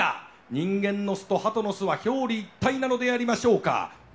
人間の巣とハトの巣は表裏一体なのでありましょうか？